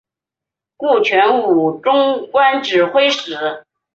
顾全武终官指挥使。